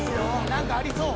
何かありそう。